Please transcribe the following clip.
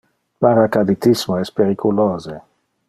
Paracaditismo es periculose.